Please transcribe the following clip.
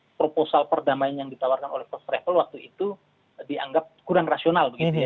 proposal perdamaian yang ditawarkan oleh first travel waktu itu dianggap kurang rasional begitu ya